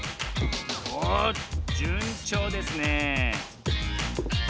おじゅんちょうですねえ